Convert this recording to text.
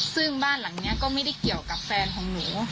ซึ่งบ้านหลังนี้ก็ไม่ได้เกี่ยวกับแฟนของหนู